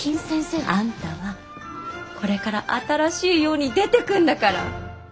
あんたはこれから新しい世に出てくんだから！